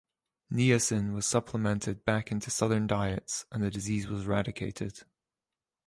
Niacin was supplemented back into Southern diets and the disease was eradicated.